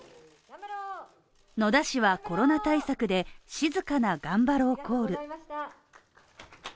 野田氏は、コロナ対策で、静かなガンバローコール。